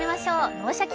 「脳シャキ！